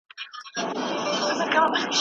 شنه ګیبي، سره کمیسونه تورې زلفې